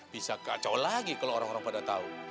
bisa kacau lagi kalau orang orang pada tahu